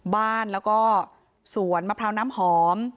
บ้านแล้วก็สวนมะพร้าวน้ำหอม